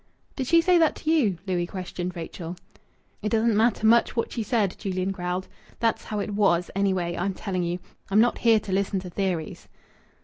"Did she say that to you?" Louis questioned Rachel. "It doesn't matter much what she said," Julian growled. "That's how it was, anyway. I'm telling you. I'm not here to listen to theories."